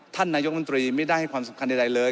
ท่านนายกมนตรีไม่ได้ให้ความสำคัญใดเลย